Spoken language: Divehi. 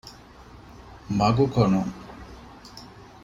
މަގުކޮނުން